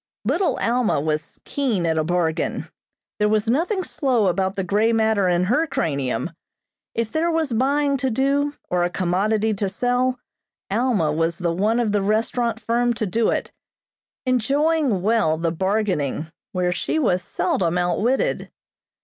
Little Alma was keen at a bargain. There was nothing slow about the grey matter in her cranium. If there was buying to do, or a commodity to sell, Alma was the one of the restaurant firm to do it, enjoying well the bargaining, where she was seldom outwitted.